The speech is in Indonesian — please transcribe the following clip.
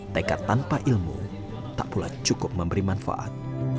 tekad tanpa ilmu tak pula cukup memberi manfaat